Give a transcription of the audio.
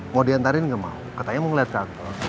mau diantarin gak mau katanya mau liat kantor